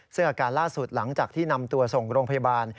ซึ่งอาการล่าสุดหลังจากที่นำตัวส่งโรงพยาบาล